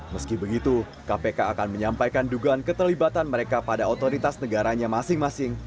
meski begitu kpk akan menyampaikan dugaan keterlibatan mereka pada otoritas negaranya masing masing